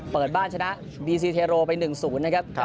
เปิดบ้านชนะบีซีเทโรไปหนึ่งศูนย์นะครับ